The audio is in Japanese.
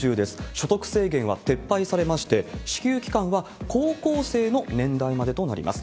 所得制限は撤廃されまして、支給期間は高校生の年代までとなります。